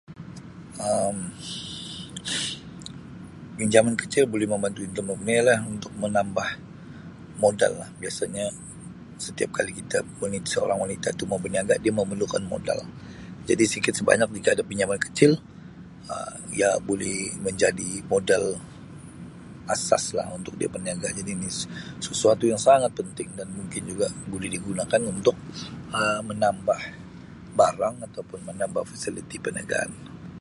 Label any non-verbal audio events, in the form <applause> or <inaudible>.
Um Pinjaman kecil boleh membantu ekonomi lah untuk menambah modal lah biasanya setiap kali kita <unintelligible> seorang wanita tu mau berniaga dia memerlukan modal jadi sikit sebanyak jika ada pinjaman kecil ia boleh menjadi modal asas lah untuk dia berniaga <unintelligible> sesuatu yang sangat penting dan mungkin juga boleh digunakan untuk ah menambah barang atau pun menambah fasiliti perniagaan